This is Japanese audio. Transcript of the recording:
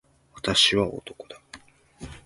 私は男だ。